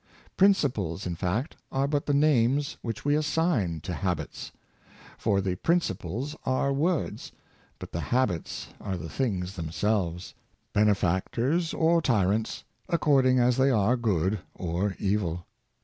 Princi ples, in fact, are but the names which we assign to hab its; for the principles are words, but the habits are the things themselves; benefactors or tyrants, according as they are good or evil.